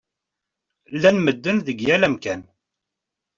Llan medden deg yal amkan.